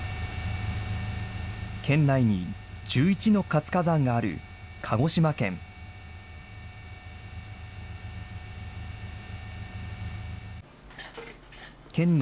県内に１１の活火山がある鹿児島県。